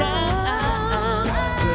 yang sesuai menentikanmu pemuda